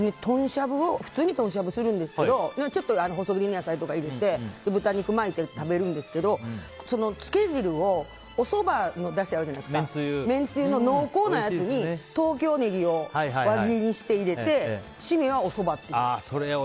普通に豚しゃぶするんですけどちょっと細切りの野菜とか入れて豚肉巻いて食べるんですけどつけ汁をおそばのだしあるじゃないですかめんつゆの濃厚なやつに東京ネギを輪切りにして入れてシメはおそばっていう。